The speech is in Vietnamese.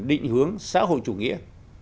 định hướng xã hội chủ nghĩa